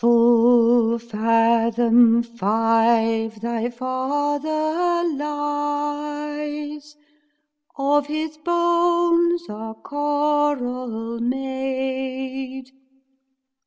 "Full fathom five thy father lies; Of his bones are coral made.